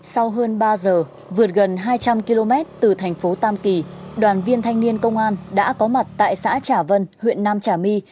sau hơn ba giờ vượt gần hai trăm linh km từ thành phố tam kỳ đoàn viên thanh niên công an đã có mặt tại xã trà vân huyện nam trà my